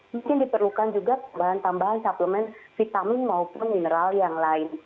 mungkin diperlukan juga bahan tambahan suplemen vitamin maupun mineral yang lain